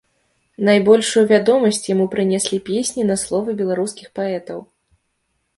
Найбольшую вядомасць яму прынеслі песні на словы беларускіх паэтаў.